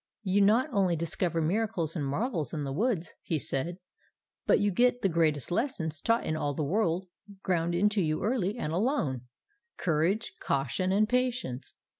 'You not only discover miracles and marvels in the woods,' he said, 'but you get the greatest lessons taught in all the world ground into you early and alone courage, caution, and patience.'